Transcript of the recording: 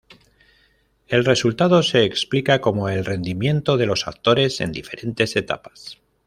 El resultado se explica como el rendimiento de los actores en diferentes etapas.